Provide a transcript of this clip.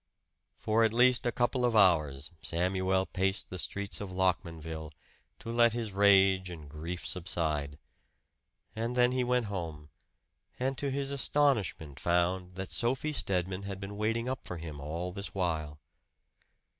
For at least a couple of hours Samuel paced the streets of Lockmanville, to let his rage and grief subside. And then he went home, and to his astonishment found that Sophie Stedman had been waiting up for him all this while.